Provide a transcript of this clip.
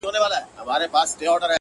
له يوه كال راهيسي-